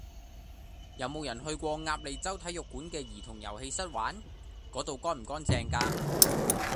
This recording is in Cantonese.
有無人去過鴨脷洲體育館嘅兒童遊戲室玩？嗰度乾唔乾淨㗎？